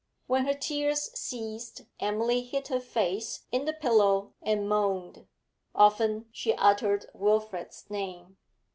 When her tears ceased, Emily hid her face in the pillow and moaned; often she uttered Wilfrid's name.